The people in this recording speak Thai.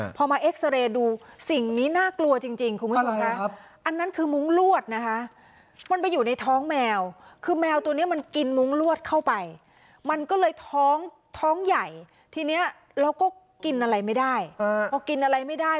พอมาเอ็กซาเรย์ดูสิ่งนี้น่ากลัวจริงคุณผู้ชมค่ะอันนั้นคือมุ้งลวดนะคะมันไปอยู่ในท้องแมวคือแมวตัวนี้มันกินมุ้งลวดเข้าไปมันก็เลยท้องท้องใหญ่ทีนี้เราก็กินอะไรไม่ได้พอกินอะไรไม่ได้